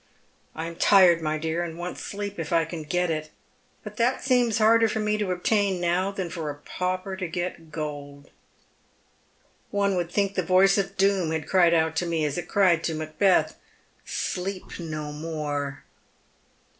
" I am tired, my dear, and want sleep if I can get it ; but that seems harder for me to obtain now than for a pauper to get gold. One would think the voice of doom had cried out to me, as it cried to Macbeth, ' Sleep no more